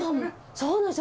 そうなんですよ。